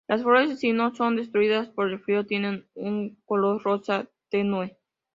Las flores si no son destruidas por el frío tienen un color rosa tenue.